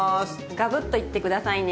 ガブッといって下さいね！